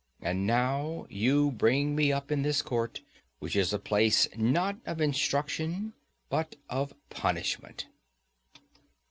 And now you bring me up in this court, which is a place not of instruction, but of punishment.